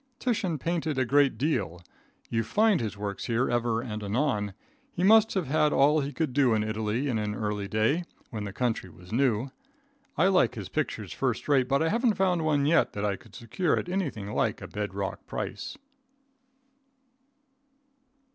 Titian painted a great deal. You find his works here ever and anon. He must have had all he could do in Italy in an early day, when the country was new. I like his pictures first rate, but I haven't found one yet that I could secure at anything like a bed rock price.